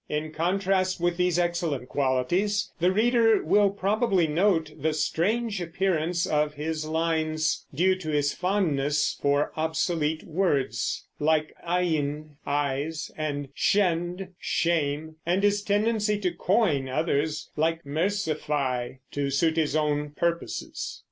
In contrast with these excellent qualities the reader will probably note the strange appearance of his lines due to his fondness for obsolete words, like eyne (eyes) and shend (shame), and his tendency to coin others, like mercify, to suit his own purposes.